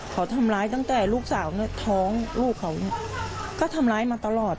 เขาทำร้ายตั้งแต่ลูกสาวเนี่ยท้องลูกเขาก็ทำร้ายมาตลอด